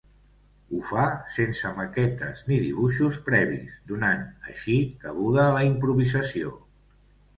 Ho fa sense maquetes ni dibuixos previs donant, així, cabuda a la improvisació.